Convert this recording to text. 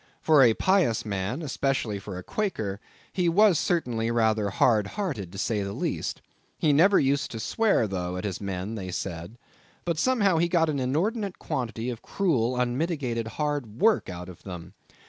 For a pious man, especially for a Quaker, he was certainly rather hard hearted, to say the least. He never used to swear, though, at his men, they said; but somehow he got an inordinate quantity of cruel, unmitigated hard work out of them.